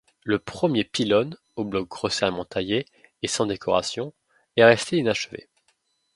Le premier pylône, aux blocs grossièrement taillés et sans décoration, est resté inachevé.